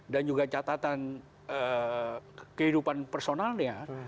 dan juga catatan kehidupan personalnya